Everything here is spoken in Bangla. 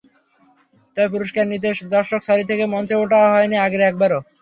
তবে পুরস্কার নিতে দর্শক সারি থেকে মঞ্চে ওঠা হয়নি আগের একবারও।